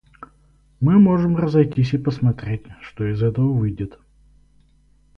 Мы можем разойтись и посмотреть, что из этого выйдет.